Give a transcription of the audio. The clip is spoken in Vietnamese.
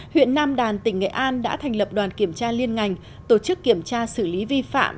huyện nam đàn tỉnh nghệ an đã thành lập đoàn kiểm tra liên ngành tổ chức kiểm tra xử lý vi phạm